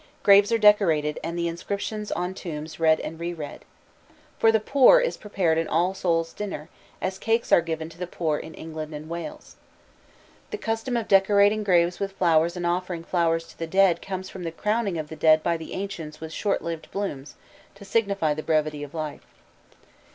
Graves are decorated, and the inscriptions on tombs read and reread. For the poor is prepared an All Souls' dinner, as cakes are given to the poor in England and Wales. The custom of decorating graves with flowers and offering flowers to the dead comes from the crowning of the dead by the ancients with short lived blooms, to signify the brevity of life.